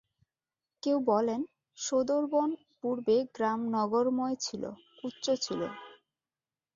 কেউ বলেন, সোঁদরবন পূর্বে গ্রাম-নগরময় ছিল, উচ্চ ছিল।